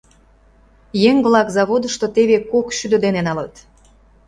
Еҥ-влак заводышто теве кок шӱдӧ дене налыт.